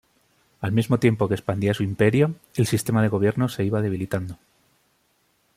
Al mismo tiempo que expandía su imperio el sistema de gobierno se iba debilitando.